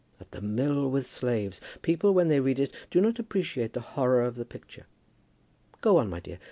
At the mill with slaves! People, when they read it, do not appreciate the horror of the picture. Go on, my dear.